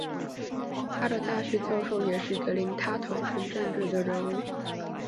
他的大学教授也是一位令他投身政治的人物。